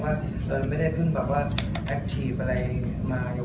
ว่าไม่ได้พึ่งแบบว่าแอคทีฟอะไรมาโยก